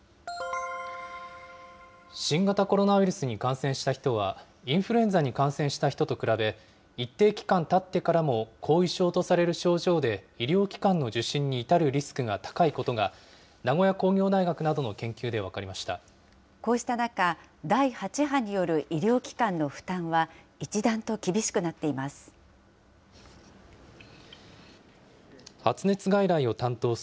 新型コロナウイルスに感染した人は、インフルエンザに感染した人に比べ、一定期間たってからも後遺症とされる症状で、医療機関の受診に至るリスクが高いことが、名古屋工業大学などのこうした中、第８波による医療機関の負担は一段と厳しくなっています。